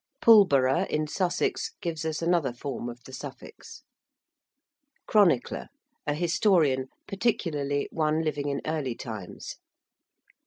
~Pulborough~, in Sussex, gives us another form of the suffix. ~chronicler~: a historian, particularly one living in early times.